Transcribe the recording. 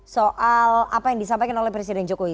soal apa yang disampaikan oleh presiden jokowi